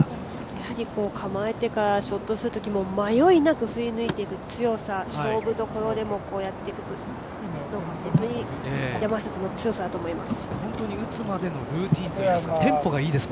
やはり構えてからショットするときも迷いなく振り抜いていく強さ勝負どころでもこうやって山下さんの強さだと思います。